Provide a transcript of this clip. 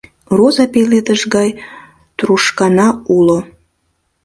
Роза пеледыш гай трушкана уло